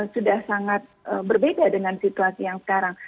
sudah sangat berbeda dengan situasi yang sekarang